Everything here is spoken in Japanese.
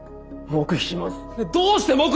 黙秘します。